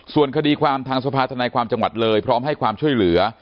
ส่วนคดีความทางสภาธนายความจังหวัดเลยพร้อมให้ความช่วยเหลือ